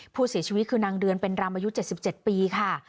ผู้เสียชีวิตคือนางเดือนเป็นรำอายุ๗๗ปีค่ะ